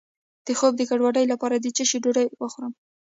د خوب د ګډوډۍ لپاره د څه شي ډوډۍ وخورم؟